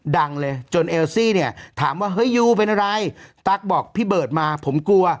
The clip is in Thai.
ดังเลยจนเอลซี่เนี่ยถามว่าเฮ้ยยูเป็นอะไรตั๊กบอกพี่เบิร์ดมาผมกลัว